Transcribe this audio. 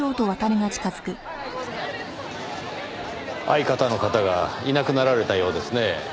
相方の方がいなくなられたようですね。